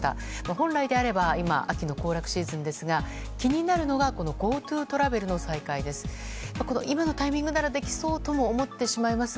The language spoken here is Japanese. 本来であれば今、秋の行楽シーズンですが気になるのがＧｏＴｏトラベルの再開です。